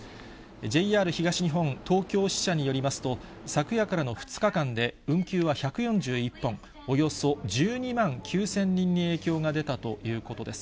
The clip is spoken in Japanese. ＪＲ東日本東京支社によりますと、昨夜からの２日間で運休は１４１本、およそ１２万９０００人に影響が出たということです。